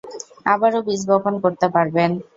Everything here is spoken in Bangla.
আবারও বীজ বপন করতে পারবেন।